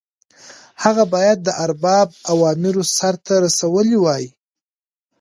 هغه باید د ارباب اوامر سرته رسولي وای.